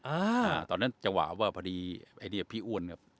อ่าตอนนั้นจังหวะว่าพอดีไอเดียพี่อ้วนครับ